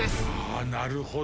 あなるほど。